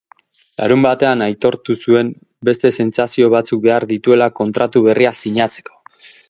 Larunbatean aitortu zuen beste sentsazio batzuk behar dituela kontratu berria sinatzeko.